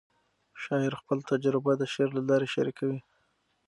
شاعر خپل تجربه د شعر له لارې شریکوي.